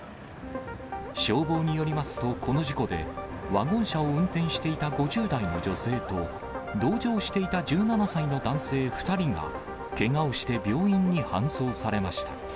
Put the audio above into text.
消防によりますと、この事故で、ワゴン車を運転していた５０代の女性と、同乗していた１７歳の男性２人がけがをして病院に搬送されました。